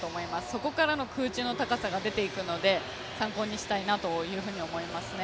そこからの空中の高さが出ていくので、参考にしたいなと思いますね